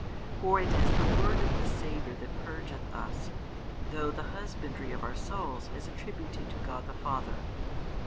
For it is the Word of the Saviour that purgeth us, though the husbandry of our souls is attributed to God the Father.